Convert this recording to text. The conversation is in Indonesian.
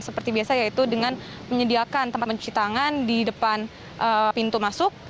seperti biasa yaitu dengan menyediakan tempat mencuci tangan di depan pintu masuk